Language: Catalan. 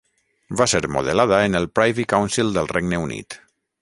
Va ser modelada en el Privy Council del Regne Unit.